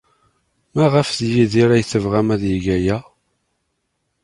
Maɣef d Yidir ay tebɣam ad yeg aya?